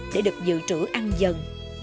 để được dự trữ ăn dần